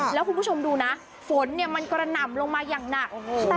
แล้วคุณผู้ชมดูนะฝนเนี่ยมันกระหน่ำลงมาอย่างหนัก